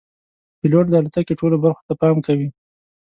پیلوټ د الوتکې ټولو برخو ته پام کوي.